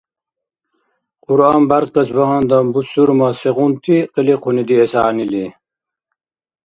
Кьуръан бяркъес багьандан бусурма сегъунти къиликъуни диэс гӏягӏнили?